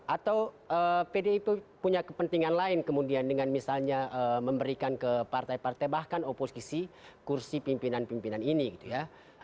atau pdip punya kepentingan lain kemudian dengan misalnya memberikan ke partai partai bahkan oposisi kursi pimpinan pimpinan ini gitu ya